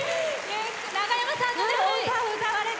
長山さんの歌、歌われて。